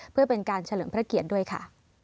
เพื่อเป็นการเฉลิมพระเกียรติด้วยค่ะ